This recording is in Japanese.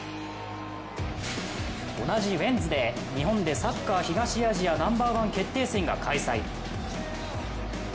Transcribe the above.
同じウエンズデーサッカー東アジアナンバーワン決定戦が開催。